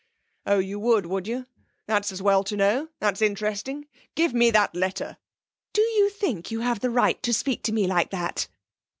'Oh, you would, would you? That's as well to know! That's interesting. Give me that letter.' 'Do you think you have the right to speak to me like that?'